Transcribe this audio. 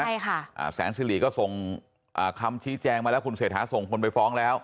ใช่ค่ะอ่าแสนสิริก็ส่งอ่าคำชี้แจงมาแล้วคุณเศรษฐาส่งคนไปฟ้องแล้ว